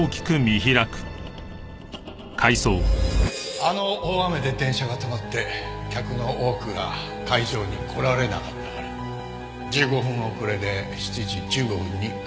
あの大雨で電車が止まって客の多くが会場に来られなかったから１５分遅れで７時１５分に開演した。